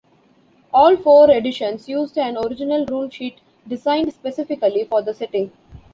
All four editions used an original ruleset designed specifically for the setting.